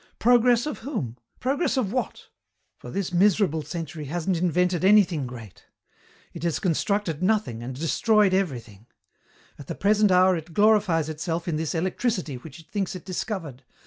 Progress of whom? Progress of what? For this miserable century hasn't invented anything great. "It has constructed nothing and destroyed everything. At the present hour it glorifies itself in this electricity which it thinks it discovered.